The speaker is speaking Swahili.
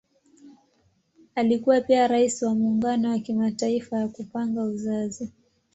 Alikuwa pia Rais wa Muungano ya Kimataifa ya Kupanga Uzazi.